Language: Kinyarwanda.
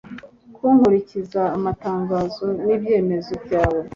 nkurikiza amatangazo n'ibyemezo byawe